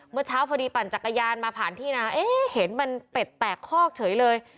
เมื่อเช้าพอดีปั่นจักรยานมาผ่านที่นาเอ๊ะเห็นมันเป็ดแตกคอกเฉยเลย